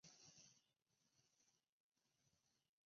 他成为南非非国大的第五任总统。